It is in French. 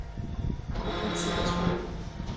Quand on ne sait pas soi-même.